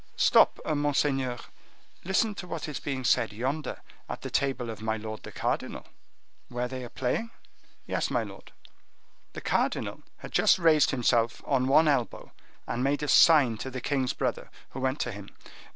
"Stop, monseigneur, listen to what is being said yonder, at the table of my lord the cardinal." "Where they are playing?" "Yes, my lord." The cardinal had just raised himself on one elbow, and made a sign to the king's brother, who went to him.